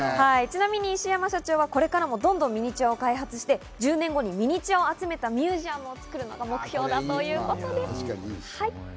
ちなみに石山社長はこれからもどんどんミニチュアを開発して１０年後にミニチュアを集めたミュージアムを作るのが目標だということです。